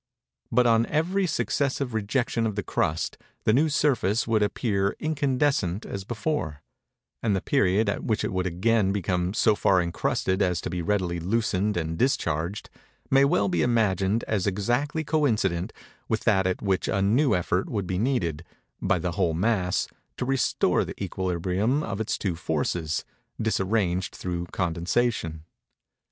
But, on every successive rejection of the crust, the new surface would appear incandescent as before; and the period at which it would again become so far encrusted as to be readily loosened and discharged, may well be imagined as exactly coincident with that at which a new effort would be needed, by the whole mass, to restore the equilibrium of its two forces, disarranged through condensation.